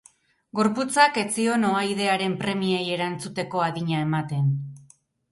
Gorputzak ez zion ohaidearen premiei erantzuteko adina ematen.